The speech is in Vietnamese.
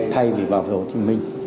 thay vì vào hồ chí minh